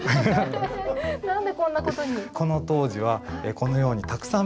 何でこんなことに？